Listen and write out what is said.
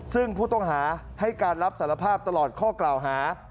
ซึ่งผู้ต้องหาให้การรับสารภาพตลอดข้อกล่าวหา